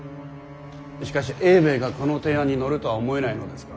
しかし英米がこの提案に乗るとは思えないのですが。